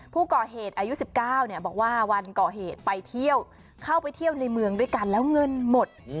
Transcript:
ผู้ก่อเหตุอายุ๑๙บอกว่าวันก่อเหตุไปเที่ยวเข้าไปเที่ยวในเมืองด้วยกันแล้วเงินหมด